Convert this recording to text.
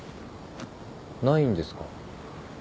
ないんですか？